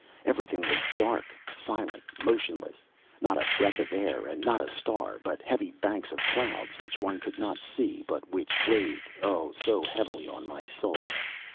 Everything was dark, silent, motionless, not a breath of air and not a star, but heavy banks of clouds which one could not see, but which weighed, oh! so heavily on my soul.